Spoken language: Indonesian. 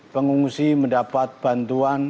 pengungsi mendapat bantuan